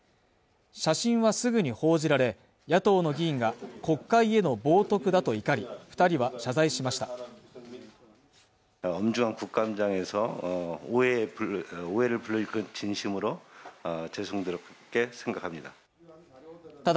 写真はすぐに報じられ野党の議員が国会への冒涜だと怒り二人は謝罪しました